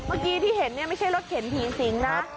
เมื่อกี้ที่เห็นไม่ใช่รถเข็นพี่สิงห์นะ